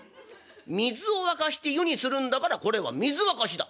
水を沸かして湯にするんだからこれは水沸かしだ」。